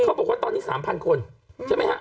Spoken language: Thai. เขาบอกว่าตอนนี้๓๐๐๐คนใช่มั้ยฮะ